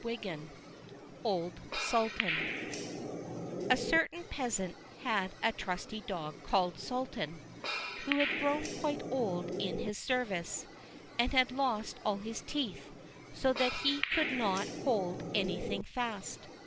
Old Sultan A certain peasant had a trusty dog called Sultan, who had grown quite old in his service, and had lost all his teeth, so that he could not hold anything fast.